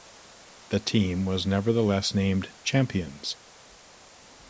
The team was nevertheless named champions.